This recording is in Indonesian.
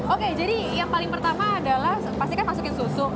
oke jadi yang paling pertama adalah pastikan masukin susu